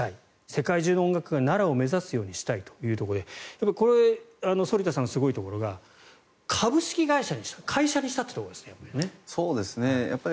世界中の音楽家が、奈良を目指すようにしたいということでこれ、反田さんがすごいところが株式会社にした会社にしたってところですね。